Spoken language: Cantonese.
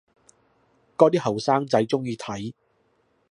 嗰啲後生仔鍾意睇